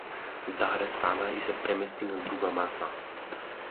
Даре стана и се премести на друга маса.